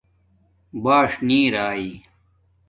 باݽ نی اِرے